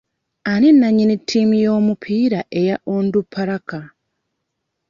Ani nannyini ttiimu y'omupiira eya Onduparaka?